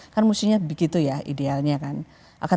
kan mestinya begitu ya idealnya kan